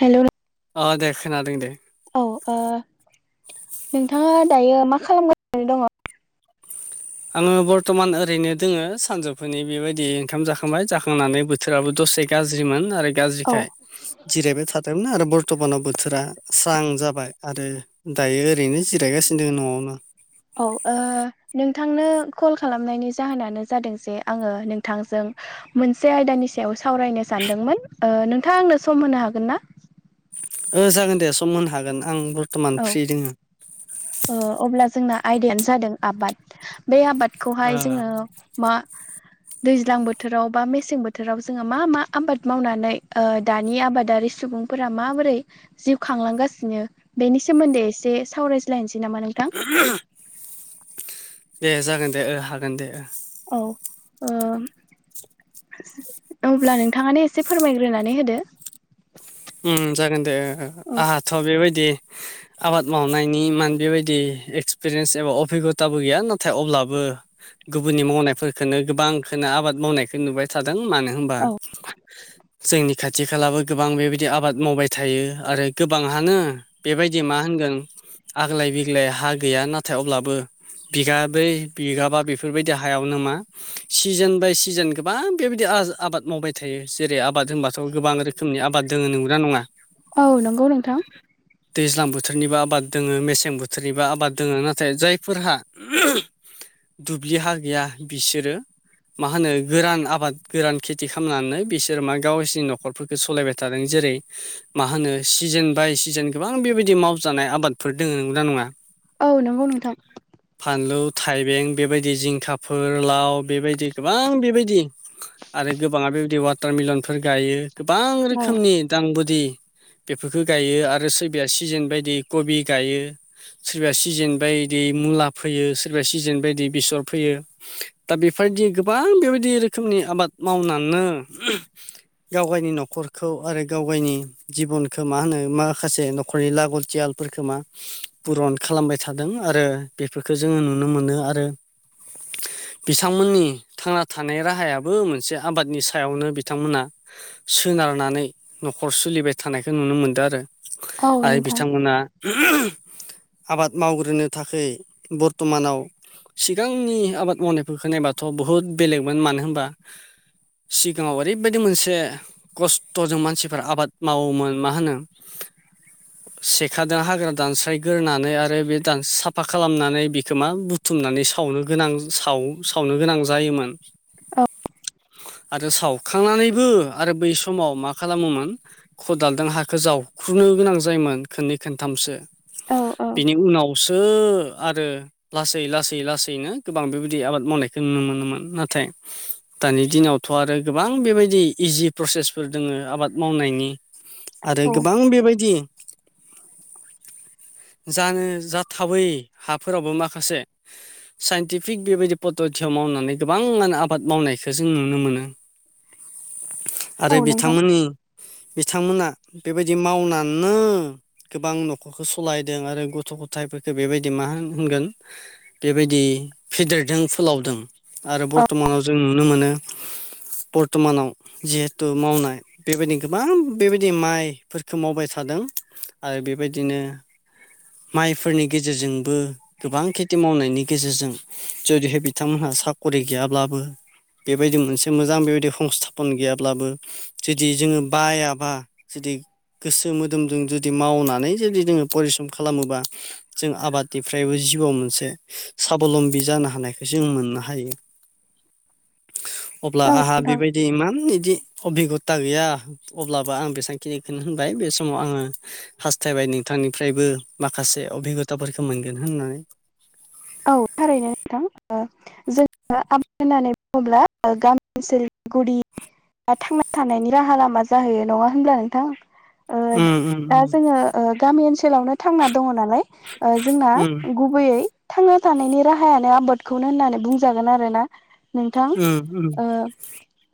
हेल' नों अ दे खोनादों दे औ ओ नोंथाङा दायो मा खालामगासिनो दङ आङो बर्थमान ओरैनो दोङो सानजौफुनि बेबायदि ओंखाम जाखांबाय जाखांनानै बो बोथोराबो दसे गाज्रिमोन आरो औ गाज्रिखाय जिरायबाय थादोंमोन आरो बर्थमानाव बोथोरा स्रां जाबाय आरो दायो ओरैनो जिरायगासिनो दङ न'आवनो औ ओ नोंथांनो कल खालामनायनि जाहोनानो जादों जे आङो नोंथांजों मोनसे आयदानि सायाव सावरायनो सानदोंमोन ओ नोंथाङा आंनो सम होनो हागोन ना जागोन दे सम होनो हागोन आं बरथ'मान औ फ्रि दोङो अब्ला जोंना आयदायानो जादों आबाद बे ओ आबादखौहाय जोङो मा दैज्लां बोथोराव बा मेसें बोथोराव जोङो मा मा आबाद मावनानै ओ दानि आबादारि सुबुं फोर माबोरै जिउ खांलांगासिनो बेनि सोमोन्दै एसे सावरायज्लायनोसै नामा नोंथां दे जागोन दे हागोन दे औ ओ अब्ला नोंथाङानो एसे फोरमायग्रोनानै होदो ओम जागोन दे औ आंहाथ' बेबायदि आबाद मावनायनि मान बेबायदि एक्सपिरियेन्स एबा अभिगथाबो गैया नाथाय अब्लाबो गुबुननि मावनायफोरफोरखौनो गोबांखौनो आबाद मावनायखौ नुबाय थादों मानो होनबा औ जोंनि खाथि खालाबो गोबां बेबायदि बिदि आबाद मावबाय थायो आरो गोबाङानो बेबायदि मा होनगोन आग्लाय बिग्लाय हा गैया नाथाय अब्लाबो बिगाब्रै बिगाबा बेफोरबायदि हायावनो मा सिजोन बाय सिजोन गोबां बेबायदि आबाद मावबाय थायो जेरै आबाद होनबाथ' गोबां रोखोमनि आबाद जोङो नुग्रा नङा [unintelligible] औ नंगौ नोंथां दैज्लां बोथोरनिबो आबाद दोङो मेसें बोथोरनिबो आबाद दोङो नाथाय जायफोरहा दुब्लि हा गैया बिसोरो मा होनो गोरान आबाद गोरान खेथि खालामनानै बिसोर मा गावसोरनि नखरफोरखौ सालायबाय था थादों जेरै मा होनो सिजोन बाय सिजोन गोबां बेबायदि मावजानाय आबादफोर दङ नंना नङा औ नंगौ नोंथां फानलु थाइबें बेबायदि जिंखाफोर लाव बेबायदि गोबां बेबायदि आरो गोबाङा बेबायदि वाटारमलनफोर गायो गोबां रोखोमनि दां बदि बेफोरखौ गाइायो आरो सोरबाया सिजोन बायदि कबि गायो सोरबाया सिजेन बायदि मुला फैयो सोरबाया सिजेन बायदि बेसर फोयो दा बेफोरदि गोबां बेबायदि रोखोमनि आबाद मावनानै गाव गायनि न'खरखौ आरो गाव गायनि जिबनखो मा होनो माखासे न'खरनि लागल थियालफोरखो मा पुरन खालामबाय थादों आरो बेफोरखौ जोङो नुनो मोनो आरो बिथांमोननि थांना थानाय राहायाबो मोनसे आबादनि सायावनो बिथांमोना सोनार थानानै न'खर सोलिबाय थानायखौ नुनो मोनदों आरो औ आरो नोंथां बिथांमोना आबाद मावग्रोनो थाखाय बर्थ'मानाव सिगांनि आबाद मावनायफोर खोनायबाथ' बुहुत बेलेगमोन मानो होनबा सिगाङाव ओरैबायदि मोनसे खस्थ'जों मानसिफ्रा आबाद मावोमोन मा होनो सेखादों हाग्रा दानस्रायग्रोनानै आरो बे दान साफा खालामनानै बेखौ मा बु बुथुमनानै सावनो गोनां साव सावनो गोनां जायोमोन। ओ आरो सावखांनानैबो आरो बै समाव मा खालामोमोन खदालजों हाखौ जावख्रुनो गोनां जायोमोन खोननै खोनथामसो। औ औ बिनि उनावसो आरो लासै लासै लासैनो गोबां बेबायदि आबाद मावनायखौ नुनो मोनोमोन नाथाय दानि दिनावथ' आरो गोबां बेबायदि इजि प्रसेस फोर दोङो आबाद मावनायनि आरो औ गोबां बेबायदि [inaudible] जानो जाथावै हाफोरावबो माखासे साइनटिफिक बेबायदि पद्दतियाव मावनानै गोबांआनो आबाद मावनायखौ जों नुनो मोनो। आरो औ नोंथां बिथांमोननि बिथांमोना बेबायदि मावनाननो गोबां न'खरखौ सालायदों आरो गथ' गथायफोरखौ बेबायदि मा होन होनगोन बेबायदि फेदेरदों फोलावदों। आरो औ बर्थ'मानाव जों नुनो मोनो बर्थ'मानाव जिहेथु मावनाय बेबायदिनो गोबां बेबायदि माइफोरखौ मावबाय थादों आरो बेबायदिनो माइफोरनि गेजेरजोंबो गोबां खेथि मावनायनि गेजेरजों जुदिहाय बिथांमोनहा साख'रि गैयाब्लाबो बेबायदि मोनसे मोजां बेबायदि हंस्थापन गैया ब्लाबो जुदि जोङो बायाबा जुदि गोसो मोदोमजों जुदि मावनानै जुदि जोङो परिस्रम खालामोबा जों आबादनिफ्रायबो जिउआव मोनसे साबलम्बि जानो हानायखौ जों मोननो हायो। [inaudible] अब्ला आंहा नोंथां बेबायदि इमान बिदि अबिगथा गैया अब्लाबो आं बेसेबांखिनिखौनो होनबाय। बे समाव आङो हास्थायबाय नोंथांनिफ्रायबो माखासे अबिगथाफोरखौ मोनगोन होननानै। औ थारैनो नोंथां। ओ जों ओ होननानै बुङोब्ला गामि ओनसोल गुदि बा थांना थानायनि राहा लामा जाहैयो नङा होनब्ला नोंथां। ओ दा जोङो ऐ गामि ओनसोलावनो थांना दङ नालाय ओ जोंना गुबैयै थांना थानायनि राहायानो आबादखौनो होननानै बुंजागोन आरो ना। नोंथां ओ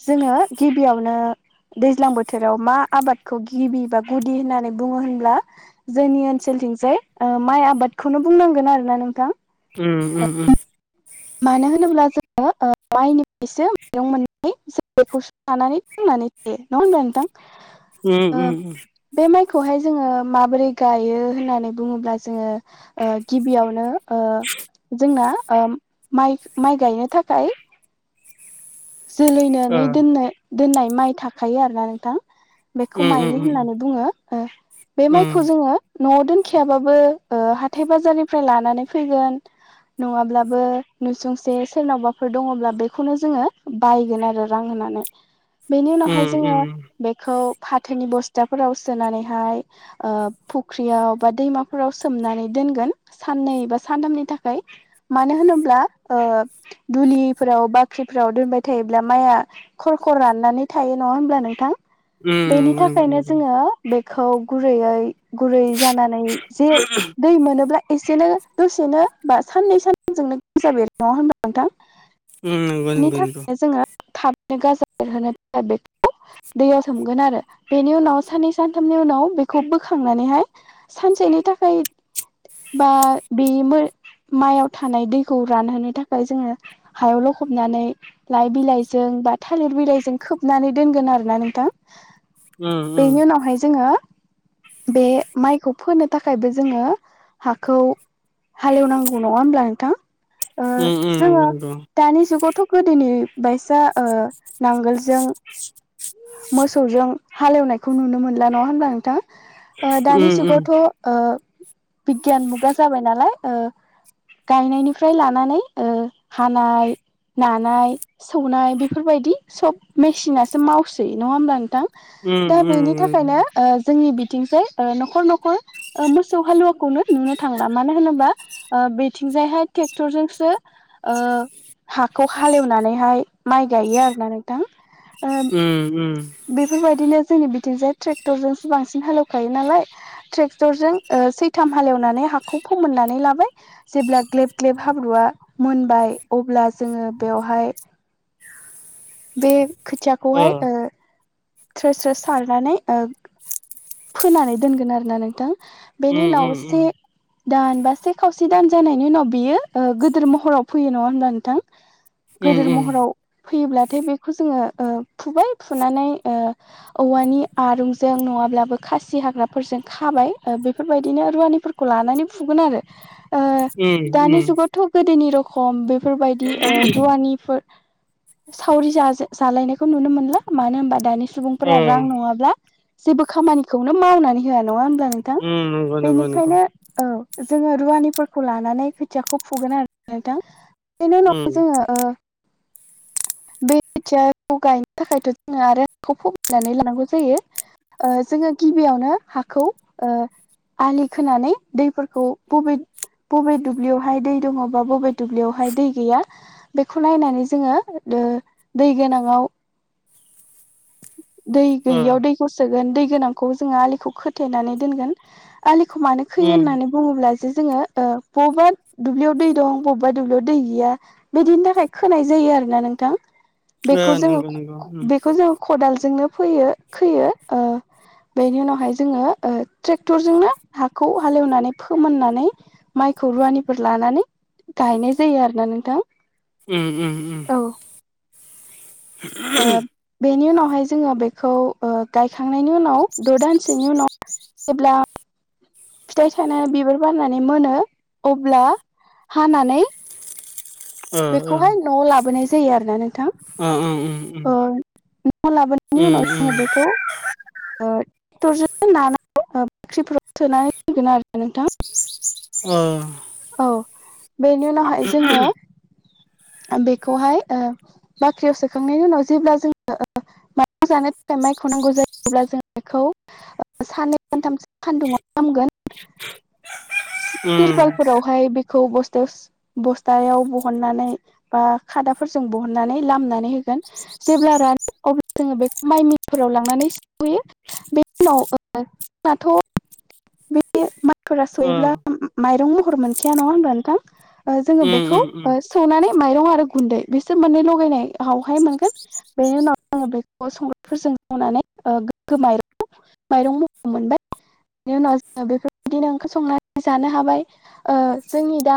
जोङो गिबियावनो दैज्लां बोथोराव मा आबादखौ गिबि बा गुदि होननानै बुङो होनब्ला जोंनि ओनसोलथिंजाय माइ आबादखौनो बुंनांगोन आरो ना नोंथां। उम उम उम। मानो होनोब्ला जोङो ओ माइनिफ्रायसो मैगं [unintelligible] जानानै थांनानै थायो नङा होनबा नोंथां? उम उम उम बे माइखौहाय जोङो माबोरै गायो होननानै बुङोब्ला जोङो ओ गिबियावनो जोंना माइ माइ गायनो थाखाय जोलैनानै दोननो दोननाय माइ थाखायो आरोना नोंथां बेखौ माइलि होननानै बुङो बे माइखौ जोङो न'आव दोनखयाबाबो हाथाय बाजारनिफ्राय लानानै फैगोन नङाब्लाबो नुसुंसे सोरनावबाफोर दङब्ला बेखौनो जोङो बायगोन आरो रां होननानै। बेनि उनावहाय जोङो बेखौ फाथोनि बस्थाफोराव सोनानैहाय ओ फुख्रियाव बा दैमाफोराव सोमनानै दोनगोन। साननै बा सानथामनि थाखाय मानो होनोब्ला दुलिफोराव बाख्रिफोराव दोनबाय थायायोब्ला माइया खर खर राननानै थायो नङा हब्ला नोंथां बेनि थाखायनो जोङो बेखौ गुरैयै गुरै जानानै जे दै मोनोब्ला एसेनो दसेनो बा साननै सानथामजोंनो गाजा बेर होनबा नोंथां उम नंंगौ बेनि नंगौ थाखायनो जोङो थाबैनो गाजा बेरहोनाय बेखौ दैयाव सोमगोन आरो बेनि उनाव साननै सानथामनि उनाव बेखौ बोखांनानैहाय सानसेनि थाखाय बा बे माइयाव थानाय दैखौ रानहोनो थाखाय जोङो हायावल' खबनानै लाइ बिलाइजों बा थालिर बिलाइजों खोबनानै दोनगोन आरो ना नोंथां बेनि उनावहाय जोङो बे माइखौ फोनो थाखायबो जोङो हाखौ हालेवनांगौ नङा हब्ला नोंथां जोङो दानि जुगावथ' गो दिनै बायसा नांगोलजों मोसौजों हालेवनायखौ नुनो मोनला नङा होमब्ला नोंथां दानि जुगावथ' बिगियान मुगा जाबाय नालाय गायनायनिफ्राय लानानै हानाय नानाय सौनाय बेफोरबायदि सब मेसिनासो मावसै नङा होमब्ला नोंथां दा बेनि थाखायनो जोंनि बिथिंसै न'खर न'खर मोसौ हालुवाखौनो नुनो थांला मानो होनोबा बेथिंजायहाय ट्रेक्टरजोंसो ओ हाखौ हालेवनानैहाय माइ गायो आरो ना नोंथां ओ उ उम बेफोरबायदिनो जोंनि बिथिंजाय ट्रेक्टरजोंसो बांसिन हालेवखायो नालाय ट्रेक्टरजों सैथाम हालेवनानै हाखौ फोमोननानै लाबाय जेब्ला ग्लेब ग्लेब हाब्रुवआ मोनबाय अब्ला जोङो बेवहाय बे खोथियाखौहाय थ्रो स्रो सारनानै फोनानै दोनगोन आरोना नोंथां बेनि उनाव से नंगौ दान बा से खावसे दान जानायनि उनाव बियो गोदोर महराव फैयो नङा होनोमबब्ला नोंथां नंगौ गेदेर महराव फैयोब्लाथाय बेखौ जोङो फुबाय फुनानै औवानि आरुंजों नङाब्लाबो खासि हाग्राफोरजों खाबाय बेफोरबायदिनो रुवानिफोरखौ लानानै फुगोन आरो दानि उम जुगावथ' गोदोनि रखम बेफोरबायदि उम रुवानिफोर सावरि जा जालायनायखौ नुनो मोनला मानो होनबा दानि सुबुंफोरा रां उम नङाब्ला जेबो खामानिखौनो मावनानै होआ नङा होनब्ला नोंथां नंगौ बेनिखायनो नंगौ औ जोङो रुवानिफोरखौ लानानै खोथियाखौ फुगोन आरो नोंथां बेनि उम नंगौ उम अ उम उनाव जोङो बे खोथियाखौ गायनो थाखायथ' जोङो आरोखौ फमायनानै लानांगौ जायो जोङो गिबियावनो हाखौ आलि खोनानै दैफोरखौ बबे बबे दुब्लियावहाय दै दङबा बबे दुब्लियावहाय दै गैया बेखौ नायनानै जोङो दै गोनाङाव दै उम गैयियाव दैखौ सोगोन दै गोनांखौ जोङो आलिखौ खोथेनानै दोनगोन आलिखौ मानो खोयो उम होननानै बुङोब्ला जे जोङो बबेबा दुब्लियाव दै दं बबेबा दुब्लियाव दै गैया बिदिनि थाखाय खोनाय जायो आरोोना नोंथां अ बेखौ उम जोङो नंगौ नंगौ उम अ उम ओ नंगौ उम बेखौ जोङो खदालजोंनो फैयो खोयो। ओ बेनि उनावहाय जोङो ओ ट्रेक्टरजोंनो हाखौ हालेवनानै फोमोननानै माइखौ रुवानिफोर लानानै गायनाय जायो आरो ना नोंथां उम उम उम औ ओ [unintelligible] बेनि उनावहाय जोङो बेखौ ओ गायखांनायनि उनाव द' दानसेनि उनाव जेब्ला फिथाइ थायनानै बिबार बाननानै मोनो अब्ला हानानै ओ ओ बेखौहाय न'आव लाबोनाय जायो आरोना नों अ ओम ओम न' लाबोनायनि उनाव जोङो बेखौ ओ ट्रेक्टरजों नानानै बाख्रिफोराव सोनानै होगोन आरो नोंथां ओ औ बेनि उनावहाय जोङो बेखौहाय बाख्रियाव सोखांनायनि उनाव जेब्ला जोङो माइ जानो थाखाय माइखौ नांगौ जायोब्ला जों बेखौ साननै सानथामसो सान्दुंङाव लामगोन [inaudible] उम तिरपालफोरावहाय बेखौ बस्थायाव सो बस्थायाव बहननानै बा खादाफोरजों बहननानै लामनानै होगोन। जेब्ला रानो अब्ला जोङो बेखौ माइ मिफोराव लांनानै सौहैयो। बेनि उनाव ओ जोंनाथ' बे माइफोरा ओं सयोब्ला माइरं महर मोनखाया नङा होनब्ला नोंथां? ओ जोङो उम बेखौ उम ओ उम सौनानै माइरं आरो गुन्दै बिसोर मोननै लगायनायावहाय मोनगोन। बेनि उनाव आङो बेखौ संख्रिफोरजों मावनानै ओ गोग्गो माइरं माइरं महर मोनबाय बिनि उनाव जोङो बेफोरबायदिनो ओंख्रि संनानै जानो हाबाय ओ जोंनि दा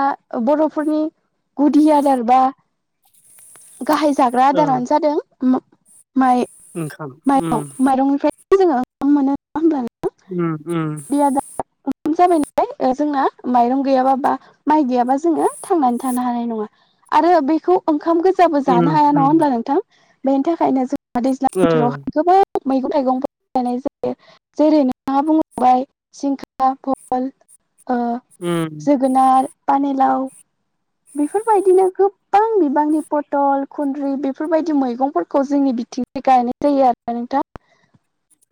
बर'फोरनि गुदि आदार बा गाहाय जाग्रा ओ आदारानो जादों माइ ओंखाम माइरं उम माइरंनिफ्राय ज मान मा होनबा ओम ओम जाबाय नालाय जोंना माइरं गैयाबाबा माइ गैयाबा जोङो थांनानै थानो हानाय नङा आरो बेखौ ओंखाम उम जानो हाया नङा उम होनोमब्ला नोंथां बेनि थाखायनो जोंहा दैज्लां ओ बोथोरावहाय गोबां मैगं थाइगंफोर गायनाय जायो। जेरै नोंथाङा बुंलांबाय सिंखा भल ओ ओम जोगोनार पानिलाव बेफोरबायदिनो खोब गोबां बिबांनि पटल खुन्द्रि बेफोरबायदि मैगंफोरखौ जोंनि बिथिंनि गायनाय जायो आरो नोंथां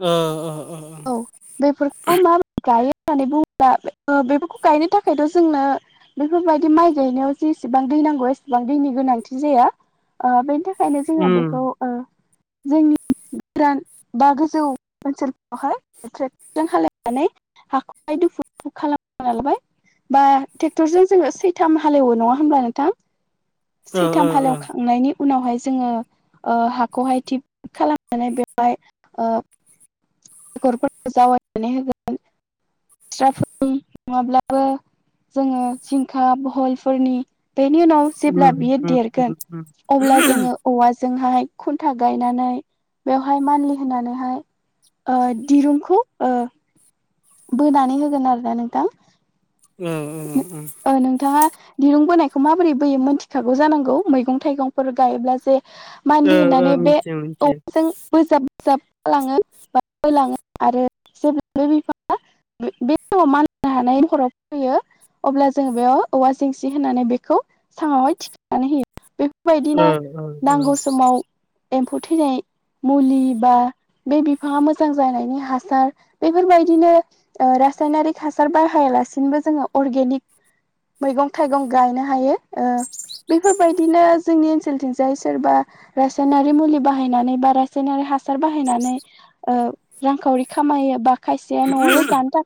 अ अ अ अ औ बेफोरखौ म गायो होननानै बुङोब्ला बेफोरखौ गायनो थाखायथ' जोंनो बेफोरबायदि माइ गायनायाव जे एसेबां दै नांगौ एसेबां दैनि गोनांथि जाया ओ बेनि थाखायनो जोङो उम बेखौ जोंनि बा गोजौ ओनसोल बेहाय ट्रेक्टरजों खालामायनानै हाखौहाय दुफु खालामना ला लाबाय बा ट्रेक्टरजों जोङो सैथाम हालेवो नङा होमब्ला नोंथां? ओ ओ सैथाम ओ हालेवखांनायनि उनावहाय जोङो हाखौहाय थिग खालामनानै बेवहाय बेरफोरखौ जावनानै होगोन सिस्राफ नङाब्लाबो जोङो जिंखा बहलफोरनि बेनि उनाव उम जेब्ला बियो उम देरगोन उम उम अब्ला जोङो औवाजोंहाय खुन्था गायनानै बेवहाय मानलि होनानैहाय दिरुंखौ बोनानै होगोन आरोना नोंथां। औ औ औ। ओ नोंथाङा दिरुं बोनायखौ माबोरै बोयो मोनथिखागौ जानांगौ मैगं थाइगंफोर गायोब्ला जे मान्थलि ओ होननानै ओ बे मिथियो मिथियो अमाजों बोजाब बोजाब खालाङो बा होलाङो आरो जेब्लाबो बिफा बे समाव मानिनो हानाय नख'राव अब्ला जों बेयाव औवा जेंसि होननानै बेखौ साङाआवहाय थिखां होयो। ओ बेफोरबायदिनो ओ ओ नांगौ समाव एम्फौ थैनाय मुलि बा बे बिफाङा मोजां जानायनि हासार बेफोरबायदिनो रासायनारिक हासार बाहायालासिनोबो जोङो अरगेनिक मैगं थाइगं गायनो हायो। बेफोरबायदिनो जोंनि ओनसोलथिंजाय सोरबा रासायनारि मुलि बाहायनानै बा रासायनारि हासार बाहायनानै रांखावरि खामायो बा खायसेया न'आवल' जानो था